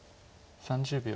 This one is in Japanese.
３０秒。